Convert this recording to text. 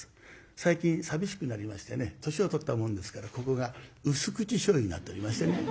最近寂しくなりましてね年を取ったもんですからここが薄口醤油になっておりましてね。